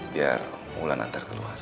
biar mulai nantar keluar